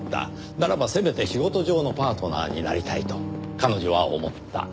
ならばせめて仕事上のパートナーになりたいと彼女は思った。